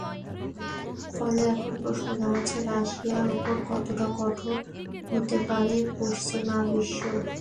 ফলে এখন প্রশ্ন দাঁড়াচ্ছে, রাশিয়ার ওপর কতটা কঠোর হতে পারে পশ্চিমা বিশ্ব।